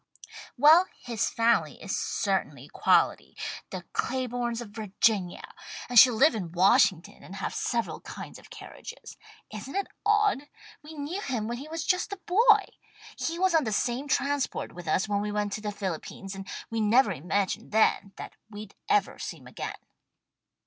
Well, his family is certainly quality, the Claibornes of Virginia, and she'll live in Washington and have several kinds of carriages. Isn't it odd? We knew him when he was just a boy. He was on the same transport with us when we went to the Philippines, and we never imagined then that we'd ever see him again."